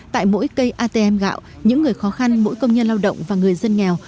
tại mỗi cây atm gạo những người khó khăn mỗi công nhân lao động và người dân nghèo